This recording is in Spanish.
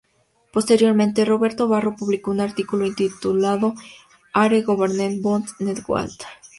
Posteriormente, Robert Barro publicó un artículo intitulado "Are Government Bonds Net Wealth?